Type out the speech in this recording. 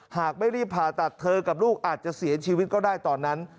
หากไม่รีบผ่าตัดเธอกับลูกอาจจะเสียชีวิตก็ได้ตอนนั้น